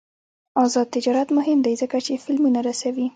آزاد تجارت مهم دی ځکه چې فلمونه رسوي.